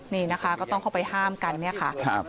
นี่นะคะก็ต้องเข้าไปห้ามกันเนี่ยค่ะ